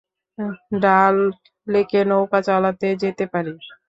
ডাল লেকে নৌকা চালাতে যেতে পারি।